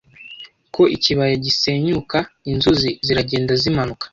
ko ikibaya gisenyukaInzuzi ziragenda zimanuka